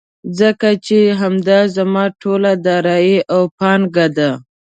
ځکه چې همدا زما ټوله دارايي او پانګه ده.